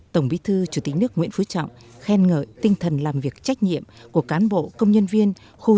tổng bí thư chủ tịch nước nguyễn phú trọng khen ngợi tinh thần làm việc trách nhiệm của cán bộ công nhân viên